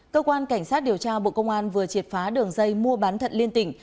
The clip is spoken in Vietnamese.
cơ quan cảnh sát điều tra bộ công an vừa triệt phá đường dây mua bán thận liên tỉnh